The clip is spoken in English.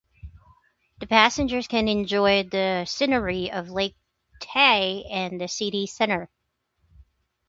Passengers can enjoy the scenery of Lake Tai and the city center.